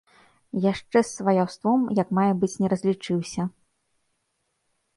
Яшчэ з сваяўством як мае быць не разлічыўся.